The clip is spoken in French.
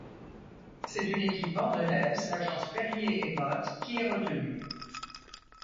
C’est une équipe bordelaise, l’agence Perrier et Mothes qui est retenue.